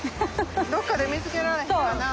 どっかで見つけられへんかなと。